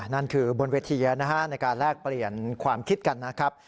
นั่นคือบนเวทีนะฮะในการแลกเปลี่ยนความคิดกันนะครับ